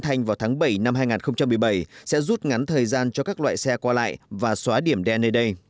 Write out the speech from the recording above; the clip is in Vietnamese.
thành vào tháng bảy năm hai nghìn một mươi bảy sẽ rút ngắn thời gian cho các loại xe qua lại và xóa điểm đen nơi đây